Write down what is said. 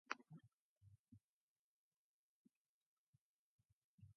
Elimination is almost all via feces.